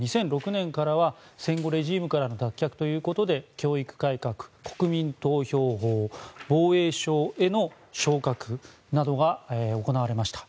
２００６年からは戦後レジームからの脱却ということで教育改革、国民投票法防衛省への昇格などが行われました。